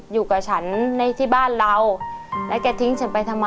อยู่กับฉันในที่บ้านเราแล้วแกทิ้งฉันไปทำไม